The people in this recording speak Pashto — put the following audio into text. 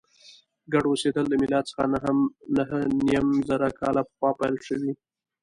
ګډ اوسېدل له میلاد څخه نهه نیم زره کاله پخوا پیل شوي.